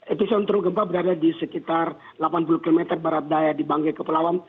epicentrum gempa berada di sekitar delapan puluh km barat daya di bangke kepulauan